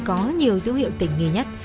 có nhiều dữ hiệu tình nghề nhất